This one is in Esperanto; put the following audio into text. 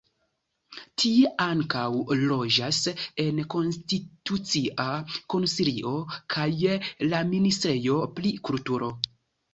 Tie ankaŭ loĝas la Konstitucia Konsilio kaj la ministrejo pri kulturo.